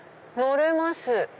乗れます。